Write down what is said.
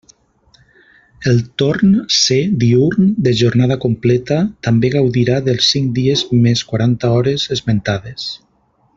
El torn C diürn de jornada completa, també gaudirà dels cinc dies més quaranta hores esmentades.